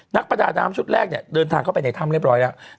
นักประดาน้ำชุดแรกเนี่ยเดินทางเข้าไปในถ้ำเรียบร้อยแล้ว